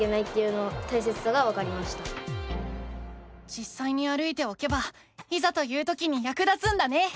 じっさいに歩いておけばいざという時にやく立つんだね。